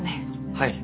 はい。